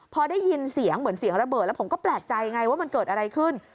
พอได้ยินเสียงเหมือนเสียงระเบิดแล้วผมก็แปลกใจไงว่ามันเกิดอะไรขึ้น